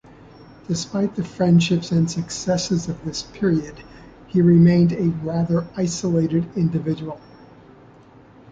Despite the friendships and successes of this period, he remained a rather isolated individual.